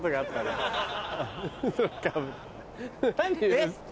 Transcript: えっ？